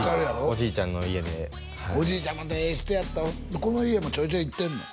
おじいちゃんの家でおじいちゃんまたええ人やったこの家もちょいちょい行ってんの？